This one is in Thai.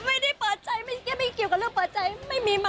ไม่ได้เปิดใจเมื่อกี้ไม่เกี่ยวกับเรื่องเปิดใจไม่มีมา